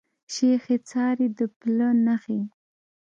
شيخ ئې څاري د پله نخښي